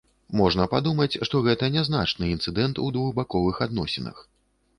Можна падумаць, што гэта нязначны інцыдэнт у двухбаковых адносінах.